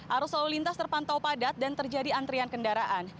arus lalu lintas terpantau padat dan terjadi antrian kendaraan